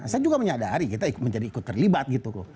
saya juga menyadari kita menjadi ikut terlibat gitu loh